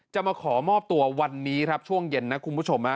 จะมาขอมอบตัววันนี้ครับช่วงเย็นนะคุณผู้ชม